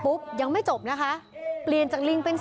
อุทธิวัฒน์อิสธิวัฒน์